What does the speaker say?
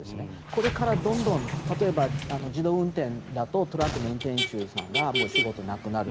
これからどんどん例えば自動運転だとトラックの運転手さんがもう仕事がなくなる。